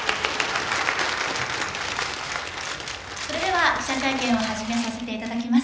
それでは記者会見を始めさせていただきます